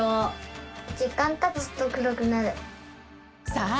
さあ